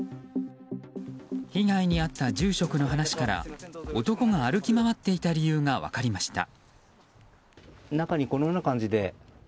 被害に遭った住職の話から男が歩き回っていた理由が分かりました。